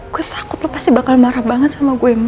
gue takut lo pasti bakal marah banget sama gue